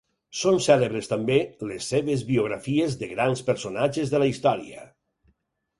Són cèlebres també les seves biografies de grans personatges de la història.